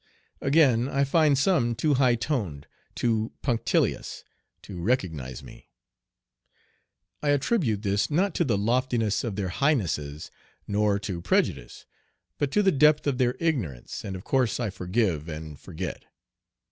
Again, I find some too high toned, too punctilious, to recognize me. I attribute this not to the loftiness of their highnesses nor to prejudice, but to the depth of their ignorance, and of course I forgive and forget.